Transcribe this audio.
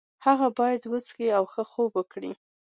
هغه باید وڅښي او ښه خوب وکړي.